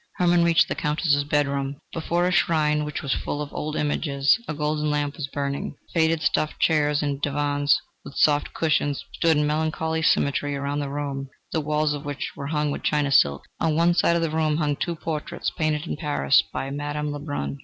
Hermann reached the Countess's bedroom. Before a shrine, which was full of old images, a golden lamp was burning. Faded stuffed chairs and divans with soft cushions stood in melancholy symmetry around the room, the walls of which were hung with China silk. On one side of the room hung two portraits painted in Paris by Madame Lebrun.